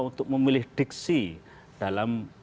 untuk memilih diksi dalam